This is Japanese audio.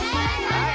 はい！